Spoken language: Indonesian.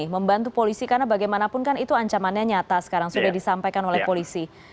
membantu polisi karena bagaimanapun kan itu ancamannya nyata sekarang sudah disampaikan oleh polisi